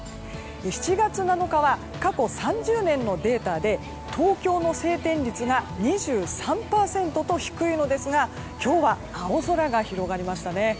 ７月７日は過去３０年のデータで東京の晴天率が２３％と低いのですが今日は、青空が広がりましたね。